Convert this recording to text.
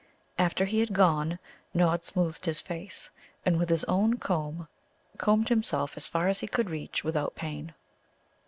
After he had gone, Nod smoothed his face, and with his own comb combed himself as far as he could reach without pain.